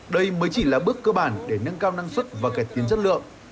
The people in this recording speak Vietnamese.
đây mới chỉ là bước cơ bản để nâng cao năng suất và cải tiến chất lượng